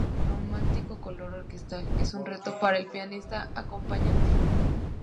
El romántico color orquestal es un reto para el pianista acompañante.